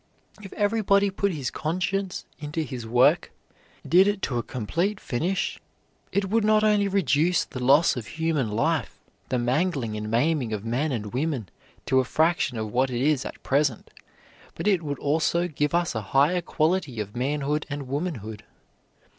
If everybody put his conscience into his work, did it to a complete finish, it would not only reduce the loss of human life, the mangling and maiming of men and women, to a fraction of what it is at present, but it would also give us a higher quality of manhood and womanhood.